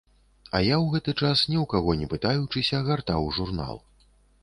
А я ў гэты час, ні ў каго не пытаючыся, гартаў журнал.